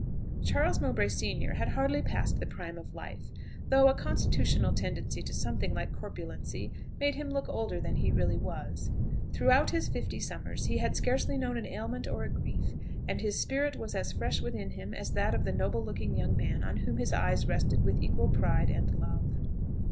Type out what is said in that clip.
Charles Mowbray senior had hardly passed the prime of life, though a constitutional tendency to something like corpulency made him look older than he really was. Throughout his fifty summers he had scarcely known an ailment or a grief, and his spirit was as fresh within him as that of the noble looking young man on whom his eyes rested with equal pride and love.